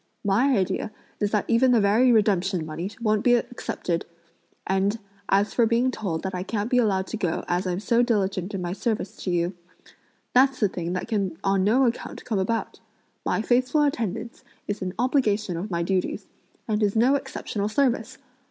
My idea is that even the very redemption money won't be accepted, and that they will display such grace as to let me go at once. And, as for being told that I can't be allowed to go as I'm so diligent in my service to you, that's a thing that can on no account come about! My faithful attendance is an obligation of my duties, and is no exceptional service!